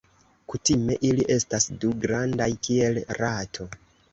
Kutime ili estas du, grandaj kiel rato.